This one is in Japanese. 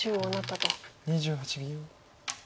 ２８秒。